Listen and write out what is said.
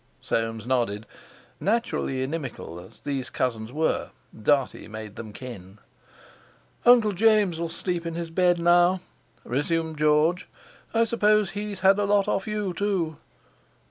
Soames nodded. Naturally inimical as these cousins were, Dartie made them kin. "Uncle James'll sleep in his bed now," resumed George; "I suppose he's had a lot off you, too."